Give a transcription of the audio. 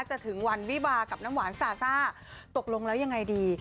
ถึงวันวิบากับน้ำหวานซาซ่าตกลงแล้วยังไงดี